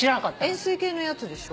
円すい形のやつでしょ？